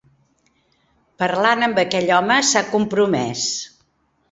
Parlant amb aquell home s'ha compromès.